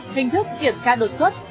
hình thức kiểm tra đột xuất